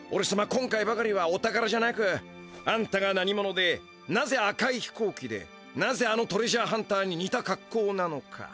今回ばかりはお宝じゃなくあんたが何者でなぜあかいひこうきでなぜあのトレジャーハンターににたかっこうなのか